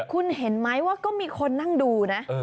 คุณเห็นไหมว่าก็มีคนนั่งดูนะ